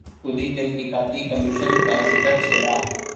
خود ہی تحقیقاتی کمیشن کا ذکر چھیڑا۔